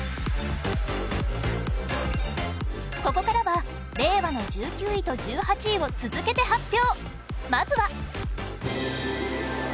ここからは令和の１９位と１８位を続けて発表。